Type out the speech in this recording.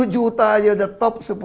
sepuluh juta aja udah top sepuluh